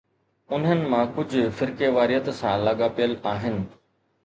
انهن مان ڪجهه فرقيواريت سان لاڳاپيل آهن.